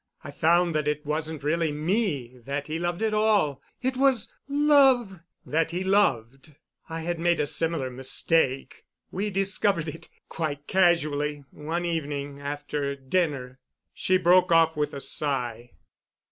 I found that it wasn't really me that he loved at all. It was love that he loved. I had made a similar mistake. We discovered it quite casually one evening after dinner." She broke off with a sigh.